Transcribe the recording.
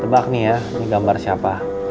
tebak nih ya ini gambar siapa